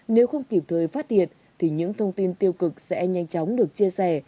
nếu không kịp thời phát hiện thì những thông tin tiêu cực sẽ nhanh chóng được chia sẻ